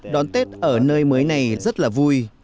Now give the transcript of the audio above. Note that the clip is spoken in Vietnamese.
đón tết ở nơi mới này rất là vui